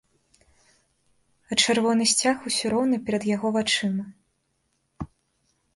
А чырвоны сцяг усё роўна перад яго вачыма.